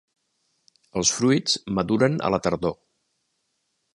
Els fruits maduren a la tardor.